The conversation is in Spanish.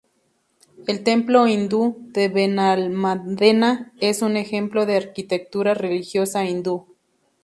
El templo hindú de Benalmádena es un ejemplo de arquitectura religiosa hindú.